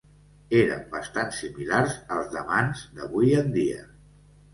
Eren bastant similars als damans d'avui en dia.